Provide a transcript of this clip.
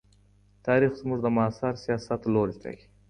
تاریخ زموږ د معاصر سیاست لوری ټاکي.